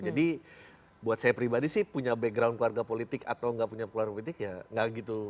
jadi buat saya pribadi sih punya background keluarga politik atau gak punya keluarga politik ya gak gitu